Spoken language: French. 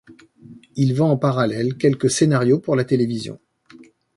Il vend en parallèle quelques scénarios pour la télévision.